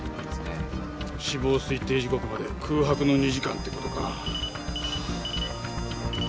死亡推定時刻まで空白の２時間って事か。